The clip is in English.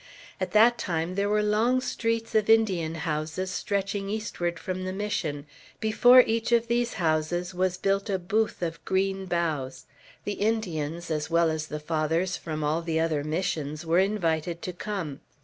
At that time there were long streets of Indian houses stretching eastward from the Mission; before each of these houses was built a booth of green boughs. The Indians, as well as the Fathers from all the other Missions, were invited to come.